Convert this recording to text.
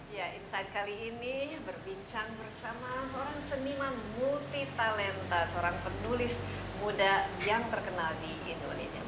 ya insight kali ini berbincang bersama seorang seniman multi talenta seorang penulis muda yang terkenal di indonesia